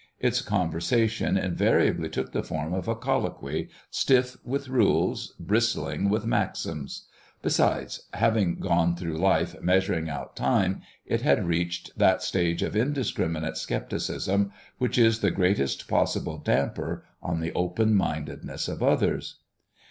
Its conversation invariably took the form of a colloquy, stiff with rules, bristling with maxims; besides, having gone through life measuring out time, it had reached that stage of indiscriminate scepticism which is the greatest possible damper on the open mindedness of others.